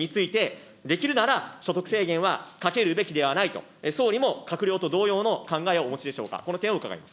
子育て支援について、できるなら所得制限はかけるべきではないと、総理も閣僚と同様の考えをお持ちでしょうか。